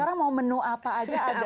sekarang mau menu apa aja ada